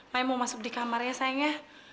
mami mau masuk di kamar ya sayang ya